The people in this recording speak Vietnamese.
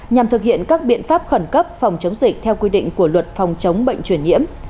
nhằm thực hiện các biện pháp khẩn cấp phòng chống dịch theo quy định của luật phòng chống bệnh truyền nhiễm